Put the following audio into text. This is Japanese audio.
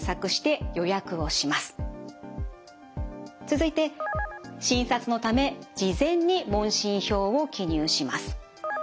続いて診察のため事前に問診表を記入します。